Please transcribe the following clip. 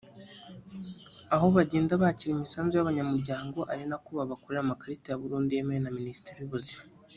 aho bagenda bakira imisanzu y’abanyamuryango ari nako babakorera amakarita ya burundu yemewe na minisiteri y’ubuzima